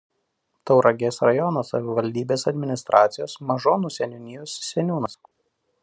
Tauragės rajono savivaldybės administracijos Mažonų seniūnijos seniūnas.